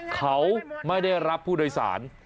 เขาไม่ได้รับผู้โดยสาร